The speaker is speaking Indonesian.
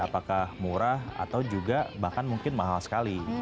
apakah murah atau juga bahkan mungkin mahal sekali